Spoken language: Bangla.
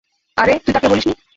আরে, তুই তাকে বলিস নি?